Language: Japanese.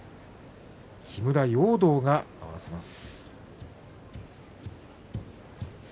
木村容堂が合わせます。